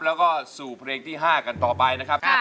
แล้วก็สู่เพลงที่๕กันต่อไปนะครับ